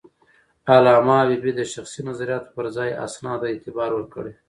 علامه حبيبي د شخصي نظریاتو پر ځای اسنادو ته اعتبار ورکړی.